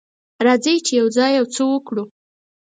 راځئ چې یوځای یو څه وکړو.